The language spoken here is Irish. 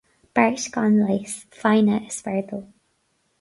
Beart gan leigheas, foighne is fearr dó.